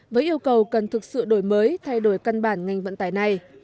với yêu cầu cần thực sự đổi mới thay đổi căn bản ngành vận tải này